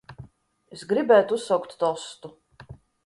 Es gribētu uzsaukt tostu.